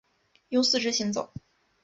用四肢行走。